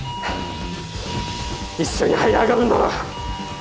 一緒に這い上がるんだろ